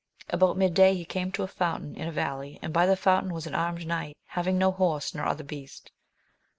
About midday he came to a fountain in a valley, and by the fountain was an armed knight, having no horse, nor other beast.